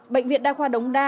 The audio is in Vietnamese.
bệnh viện đa khoa đống đa